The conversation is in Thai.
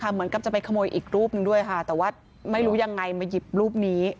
เหมือนกับจะไปขโมยอีกรูปหนึ่งด้วยค่ะแต่ว่าไม่รู้ยังไงมาหยิบรูปนี้